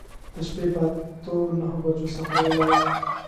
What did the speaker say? د شپې په اته نهو بجو سفر ولرئ.